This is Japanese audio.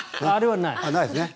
ないですね。